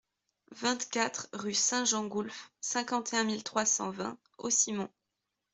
vingt-quatre rue Saint-Gengoulf, cinquante et un mille trois cent vingt Haussimont